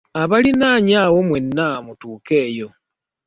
Abaliraanye awo mwenna mutuukeyo.